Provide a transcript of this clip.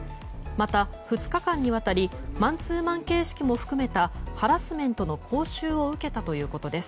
また２日間にわたりマンツーマン形式も含めたハラスメントの講習を受けたということです。